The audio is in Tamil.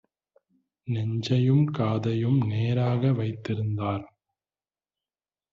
நெஞ்சையும் காதையும் நேராக வைத்திருந்தார்: